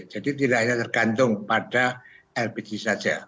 jadi tidak hanya tergantung pada lpg saja